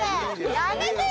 やめてよ！